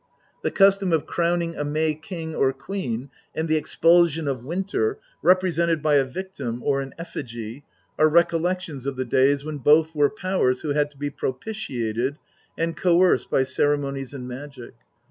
The custom of crowning a May king or queen, and the expulsion of Winter, represented by a victim or an effigy, are recollections of the days when both were powers who had to be pro pitiated and coerced by ceremonies and magic.